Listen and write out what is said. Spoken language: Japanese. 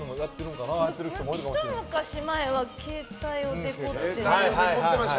一昔前は、携帯をデコる。